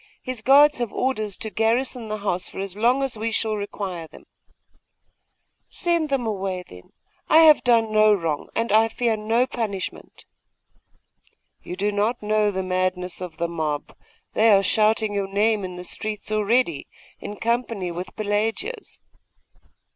His guards have orders to garrison the house for as long as we shall require them.' 'Send them away, then. I have done no wrong, and I fear no punishment.' 'You do not know the madness of the mob; they are shouting your name in the streets already, in company with Pelagia's.